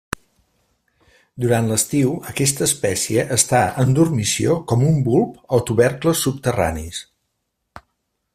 Durant l'estiu aquesta espècie està en dormició com un bulb o tubercles subterranis.